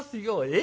え？